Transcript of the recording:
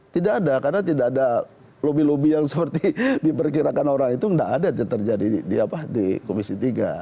tidak ada karena tidak ada lobby lobby yang seperti diperkirakan orang itu tidak ada terjadi di komisi tiga